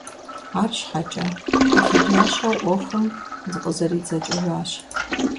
АрщхьэкIэ, телъыджащэу Iуэхум зыкъызэридзэкIыжащ.